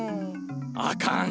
あかん。